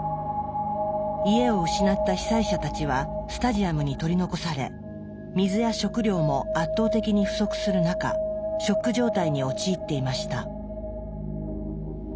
家を失った被災者たちはスタジアムに取り残され水や食料も圧倒的に不足する中ショック状態に陥っていました。